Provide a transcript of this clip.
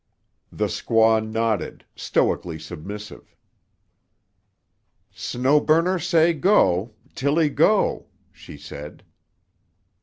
The squaw nodded, stoically submissive. "Snow Burner say 'go'; Tilly go," she said.